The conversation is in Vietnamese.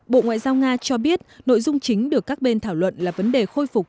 bộ ngoại giao nga cho biết nội dung chính được các bên thảo luận là vấn đề khôi phục